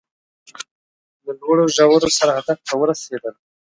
له لوړو ژورو سره هدف ته ورسېدل